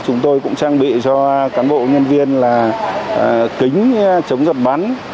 chúng tôi cũng trang bị cho cán bộ nhân viên là kính chống giập bắn